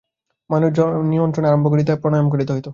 মনের নিয়ন্ত্রণ আরম্ভ করিতে হয় প্রাণায়াম হইতে।